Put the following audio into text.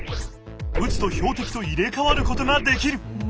撃つと標的と入れかわることができる！